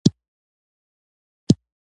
ځینې پنسلونه د اوبو ضد خاصیت لري.